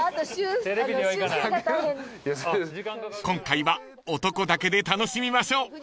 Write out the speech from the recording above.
［今回は男だけで楽しみましょう］